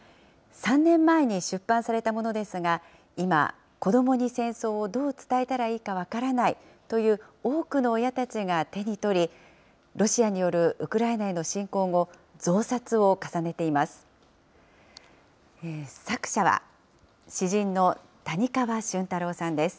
３年前に出版されたものですが、今、子どもに戦争をどう伝えたらいいか分からないという多くの親たちが手に取り、ロシアによるウクライナへの侵攻後、増刷を重ねています。